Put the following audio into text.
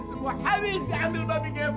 mulut semua habis diambil babi ngepet